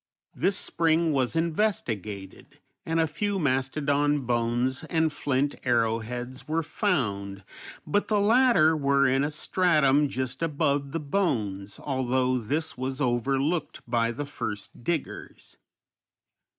This spring was investigated, and a few mastodon bones and flint arrowheads were found, but the latter were in a stratum just above the bones, although this was overlooked by the first diggers.